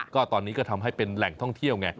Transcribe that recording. ก็ตอนนี้ก็ทำให้เป็นแหล่งท่องเที่ยวไง